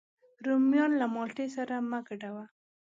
رومیان له مالټې سره مه ګډوه